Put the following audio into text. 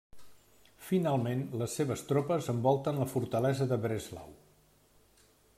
Finalment, les seves tropes envolten la fortalesa de Breslau.